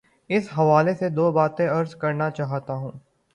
اس حوالے سے دو باتیں عرض کرنا چاہتا ہوں۔